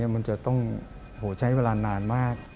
มันจะต้องใช้เวลานานมาก